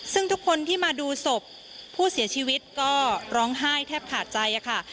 ซึ่งทุกคนที่มาดูศพผู้เสียชีวิตก็ร้องไห้แทบขาดใจค่ะ